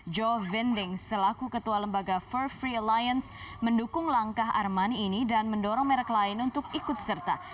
joe binding selaku ketua lembaga fir free lions mendukung langkah armani ini dan mendorong merek lain untuk ikut serta